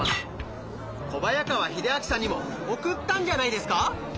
小早川秀秋さんにも送ったんじゃないですか？